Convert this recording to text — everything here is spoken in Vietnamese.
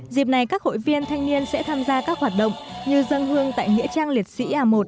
dịp này các hội viên thanh niên sẽ tham gia các hoạt động như dân hương tại nghĩa trang liệt sĩ a một